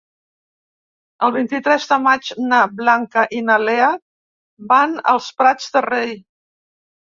El vint-i-tres de maig na Blanca i na Lea van als Prats de Rei.